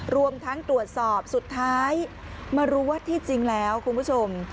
รวมทั้งตรวจสอบสุดท้ายมารู้ว่าที่จริงแล้วคุณผู้ชม